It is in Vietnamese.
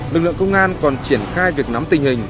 lực lượng công an còn triển khai việc nắm tình hình